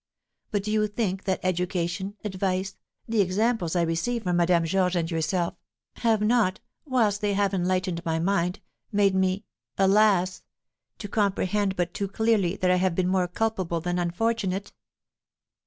But do you think that education, advice, the examples I receive from Madame Georges and yourself, have not, whilst they have enlightened my mind, made me, alas! to comprehend but too clearly that I have been more culpable than unfortunate?